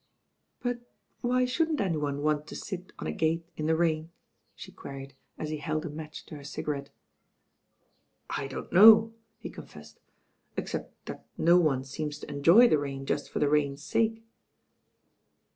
"But why shouldn't any one want to sit on a gate in the rain ?" shequeried as he held a match to her ciga rette. "I don't know," he confessed, "except that no one seems to enjoy the rain just for the rain's sake."